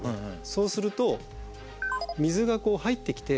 そうすると水が入ってきて。